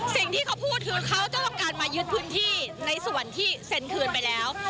สิ่งที่เขาพูดคือเขาต้องการมายึดพื้นที่ในส่วนที่เซ็นคืนไปแล้ว